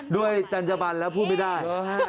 ด้วยจันจบันแล้วพูดไม่ได้